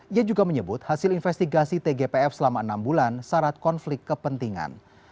ia juga menyebut hasil investigasi tgpf selama enam bulan syarat konflik kepentingan